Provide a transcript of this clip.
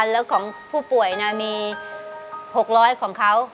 แล้วของผู้ป่วยมี๖๐๐ของเขา